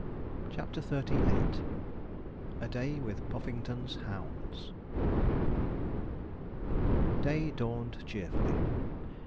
CHAPTER XXXVIII A DAY WITH PUFFINGTON'S HOUNDS Day dawned cheerfully.